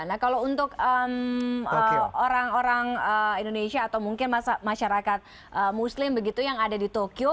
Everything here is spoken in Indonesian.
nah kalau untuk orang orang indonesia atau mungkin masyarakat muslim begitu yang ada di tokyo